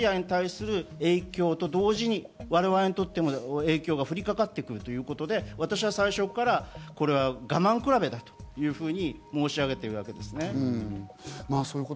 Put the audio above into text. ロシアに対する影響と同時に、我々にとっても影響が降りかかってくるということで、私は最初から我慢比べだと申し上げているわけです。